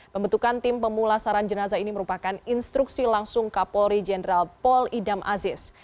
pembentukan tim pemulasaran jenazah ini merupakan instruksi langsung kapolri jenderal pol idam aziz